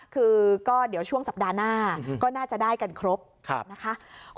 คือก็เดี๋ยวช่วงสัปดาห์หน้าก็น่าจะได้กันครบนะคะ